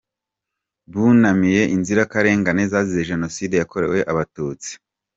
Bunamiye inzirakarengane zazize Jenoside yakorewe Abatutsi.